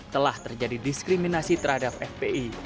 telah terjadi diskriminasi terhadap fpi